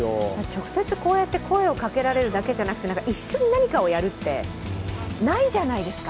直接こうやって声をかけられるだけじゃなくて、一緒に何かをやるってないじゃないですか。